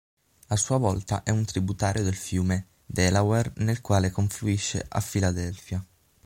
A sua volta è un tributario del fiume Delaware, nel quale confluisce a Philadelphia.